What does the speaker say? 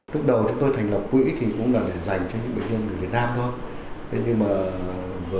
trước đầu chúng tôi thành lập quỹ thì cũng là để dành cho những bệnh nhân